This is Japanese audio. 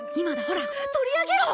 ほら取り上げろ！